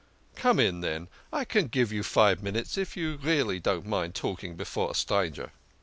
Come in, then, I can give you five minutes if you really don't mind talking before a stranger."